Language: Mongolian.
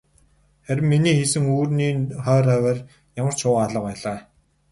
Харин миний хийсэн үүрний ойр хавиар ямарч шувуу алга байлаа.